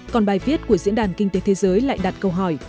còn bài viết của diễn đàn kinh tế thế giới lại đặt câu hỏi